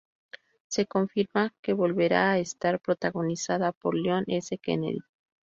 Se confirma que volverá a estar protagonizada por Leon S. Kennedy.